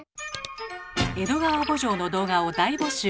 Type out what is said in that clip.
「江戸川慕情」の動画を大募集。